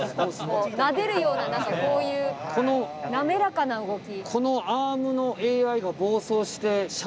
なでるようなこういう滑らかな動き。